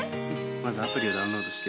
まずアプリをダウンロードして。